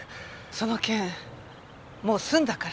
その件もう済んだから。